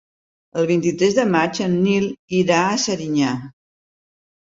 El vint-i-tres de maig en Nil irà a Serinyà.